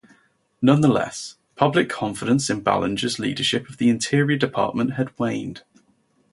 Nonetheless, public confidence in Ballinger's leadership of the Interior Department had waned.